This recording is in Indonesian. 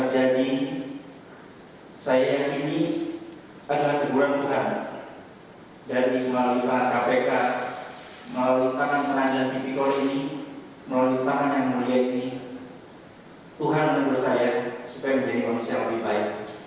jadi melalui tangan kpk melalui tangan penandaan tipikol ini melalui tangan yang mulia ini tuhan mengembalikan saya supaya menjadi manusia yang lebih baik